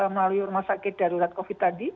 melalui rumah sakit darurat covid sembilan belas